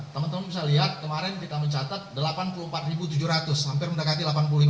teman teman bisa lihat kemarin kita mencatat delapan puluh empat tujuh ratus hampir mendekati delapan puluh lima